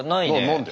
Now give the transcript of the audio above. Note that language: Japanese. なんで？